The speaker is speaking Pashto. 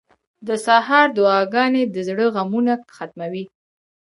• د سهار دعاګانې د زړه غمونه ختموي.